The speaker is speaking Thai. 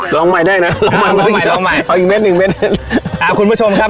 ลองใหม่ได้นะลองใหม่ผู้หญิงลองใหม่เอาอีกเม็ดหนึ่งเม็ดอ่าคุณผู้ชมครับ